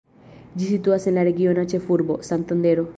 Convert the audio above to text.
Ĝi situas en la regiona ĉefurbo, Santandero.